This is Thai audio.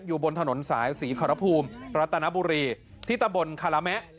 อยู่บนถนนสายศรีขอรภูมิรัตนบุรีที่ตะบนคาราแมะ